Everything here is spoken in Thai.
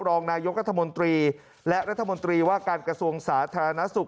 รองนายกรัฐมนตรีและรัฐมนตรีว่าการกระทรวงสาธารณสุข